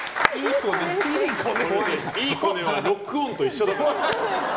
いい子ねはロックオンと一緒だから。